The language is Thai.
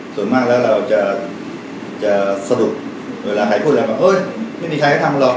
ส่วนมากแล้วเราจะจะสะดุดเวลาใครพูดแบบว่าเอ้ยไม่มีใครก็ทำหรอก